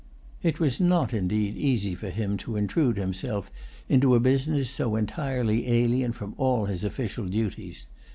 It was not indeed easy for him to intrude himself into a business so entirely alien from all his official duties.